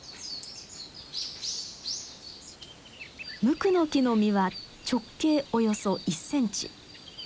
ムクノキの実は直径およそ１センチ。